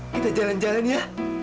kita jalan jalan ya